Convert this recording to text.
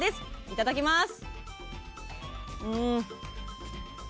いただきます。